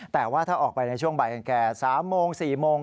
แต่ว่าถ้าออกไปในช่วงบ่ายกันแก่๓โมง๔โมง